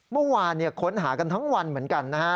เมื่อวานค้นหากันทั้งวันเหมือนกันนะฮะ